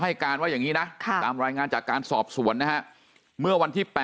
การว่าอย่างนี้นะตามรายงานจากการสอบสวนนะฮะเมื่อวันที่๘